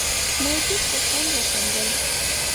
موجود په خوند وخندل.